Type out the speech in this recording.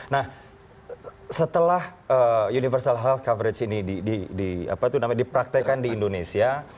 nah setelah universal health coverage ini dipraktekan di indonesia